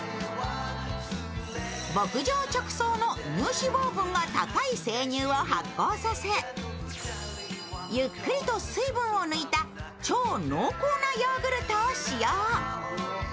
牧場直送の乳脂肪分が高い生乳を発酵させゆっくりと水分を抜いた超濃厚なヨーグルトを使用。